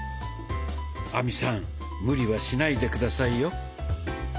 亜美さん無理はしないで下さいよ。